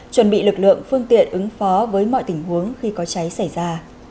chuẩn bị lực lượng phương tiện ứng phó với mọi tình huống khi có cháy xảy ra